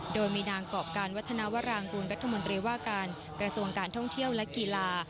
โดยมีนางกรอบการวัฒนาวรางกูลรัฐมนตรีว่าการกระทรวงการท่องเที่ยวและกีฬา